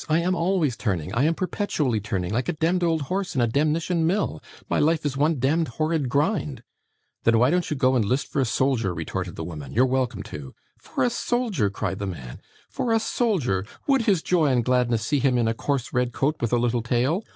'I am always turning. I am perpetually turning, like a demd old horse in a demnition mill. My life is one demd horrid grind!' 'Then why don't you go and list for a soldier?' retorted the woman; 'you're welcome to.' 'For a soldier!' cried the man. 'For a soldier! Would his joy and gladness see him in a coarse red coat with a little tail?